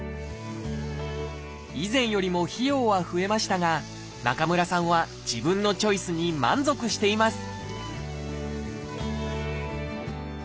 以前よりも費用は増えましたが中村さんは自分のチョイスに満足しています